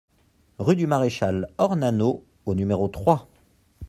Rue du Maréchal Ornano au numéro trois